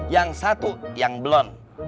yang satu yang blonde